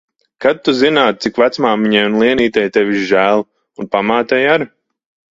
Kad tu zinātu, cik vecmāmiņai un Lienītei tevis žēl. Un pamātei ar.